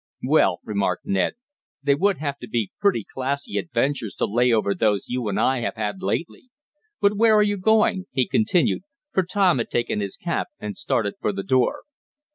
"Well," remarked Ned, "they would have to be pretty classy adventures to lay over those you and I have had lately. But where are you going?" he continued, for Tom had taken his cap and started for the door.